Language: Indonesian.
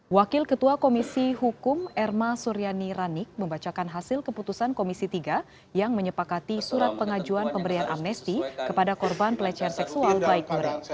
wakil ketua komisi hukum erma suryani ranik membacakan hasil keputusan komisi tiga yang menyepakati surat pengajuan pemberian amnesti kepada korban pelecehan seksual baik nuril